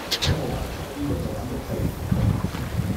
喺我環頭邊個夠膽喐佢